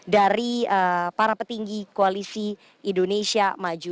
dari para petinggi koalisi indonesia maju